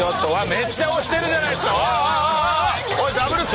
めっちゃ押してるじゃないですか！